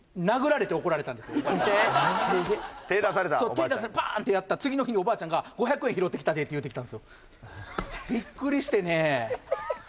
手出してパーン！ってやった次の日におばあちゃんが５００円拾うてきたでって言うてきたんですよ